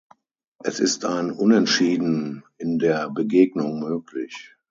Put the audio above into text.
Es ist ein Unentschieden in der Begegnung möglich.